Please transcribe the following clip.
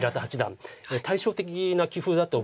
対照的な棋風だと思うんです。